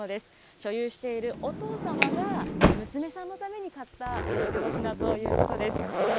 所有しているお父様が、娘さんのために買った思い出の品ということです。